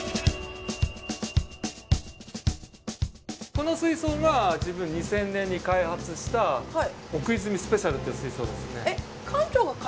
この水槽が自分２０００年に開発した奥泉スペシャルという水槽ですね。